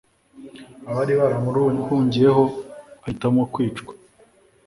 abari baramuhungiyeho ahitamo kwicwa